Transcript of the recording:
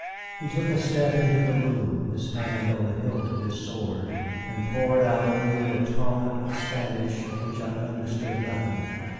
He took a step into the room, his hand on the hilt of his sword, and poured out at me a torrent of Spanish of which I understood nothing.